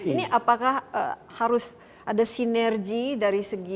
ini apakah harus ada sinergi dari segi